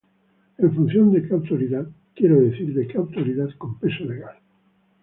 En función de que autoridad, quiero decir de que autoridad con peso legal?